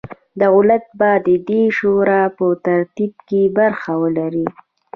دولت به د دې شورا په ترتیب کې برخه ولري.